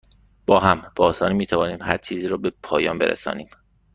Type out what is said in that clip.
با هم، به آسانی می توانیم هرچیزی را به پایان برسانیم.